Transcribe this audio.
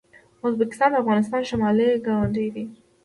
ازبکستان د افغانستان شمالي ګاونډی دی.